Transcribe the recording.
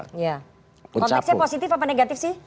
konteksnya positif apa negatif sih